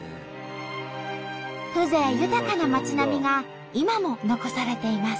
風情豊かな町並みが今も残されています。